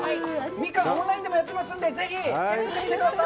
ミカン、オンラインでもやってますのでぜひチェックしてください。